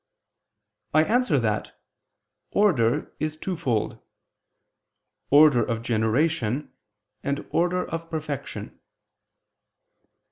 I answer that, Order is twofold: order of generation, and order of perfection.